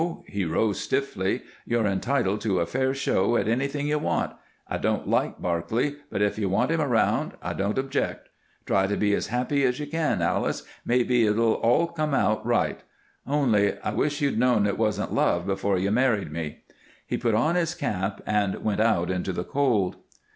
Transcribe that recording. He rose stiffly. "You're entitled to a fair show at anything you want. I don't like Barclay, but if you want him around, I won't object. Try to be as happy as you can, Alice; maybe it'll all come out right. Only I wish you'd known it wasn't love before you married me." He put on his cap and went out into the cold.